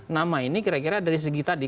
nama ini kira kira dari segi tadi